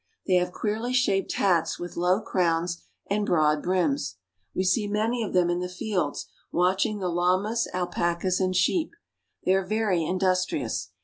They have queerly shaped hats with low crowns and broad brims. We see many of them in the fields, watching the llamas, alpacas, and sheep. They are very industri ous.